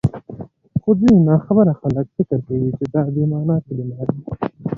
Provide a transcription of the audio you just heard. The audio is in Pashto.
خو ځيني ناخبره خلک فکر کوي چي دا بې مانا کلمات دي،